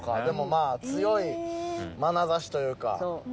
でも強いまなざしというか。